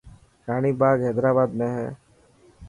راڻي باگھه حيدرآباد ۾ هي.